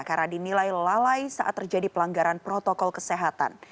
karena dinilai lalai saat terjadi pelanggaran protokol kesehatan